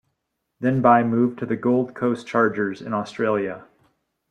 Then Bai moved to the Gold Coast Chargers in Australia.